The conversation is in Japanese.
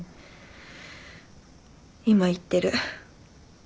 今行ってる。